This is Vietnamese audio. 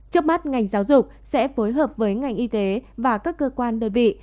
trước mắt ngành giáo dục sẽ phối hợp với ngành y tế và các cơ quan đơn vị